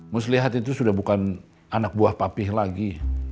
mus lihat itu sudah bukan anak buah papih lagi